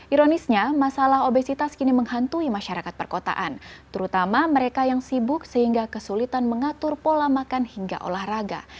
ironisnya masalah obesitas kini menghantui masyarakat perkotaan terutama mereka yang sibuk sehingga kesulitan mengatur pola makan hingga olahraga